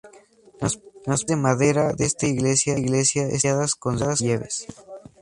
Las puertas de madera de esta iglesia están talladas con relieves.